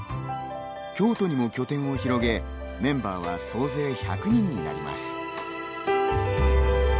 京都にも拠点を広げ、メンバーは総勢１００人になります。